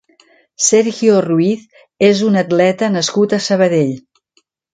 Sergio Ruiz és un atleta nascut a Sabadell.